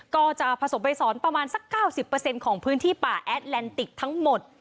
ก็จะผสมไปสอนประมาณสัก๙๐ของพื้นที่ป่าแอดแลนติกทั้งหมด